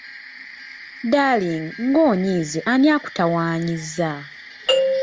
Darling, ng'onyiize ani akutawaanyiza?